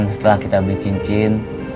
setelah kita beli cincin